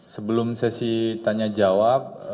sebelum sesi tanya jawab